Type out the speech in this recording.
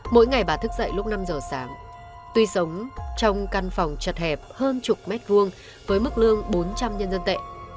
mỗi ngày bà thức dậy lúc năm giờ sáng tuy sống trong căn phòng chật hẹp hơn chục mét vuông với mức lương bốn trăm linh nhân dân tệ